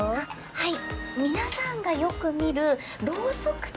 はい。